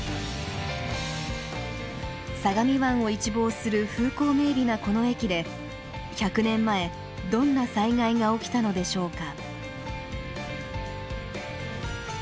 相模湾を一望する風光明美なこの駅で１００年前どんな災害が起きたのでしょうか？